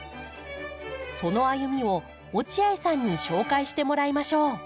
その歩みを落合さんに紹介してもらいましょう。